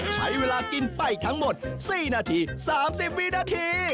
ใช้เวลากินไปทั้งหมด๔นาที๓๐วินาที